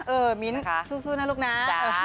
เออมิ้นสู้นะลูกน้า